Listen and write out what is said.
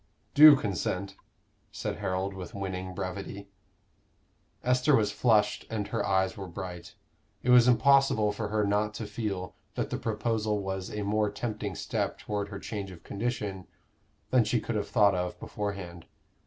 "Do consent," said Harold, with winning brevity. Esther was flushed and her eyes were bright. It was impossible for her not to feel that the proposal was a more tempting step toward her change of condition than she could have thought of beforehand.